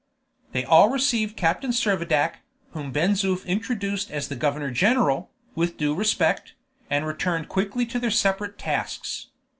They all received Captain Servadac, whom Ben Zoof introduced as the governor general, with due respect, and returned quickly to their separate tasks.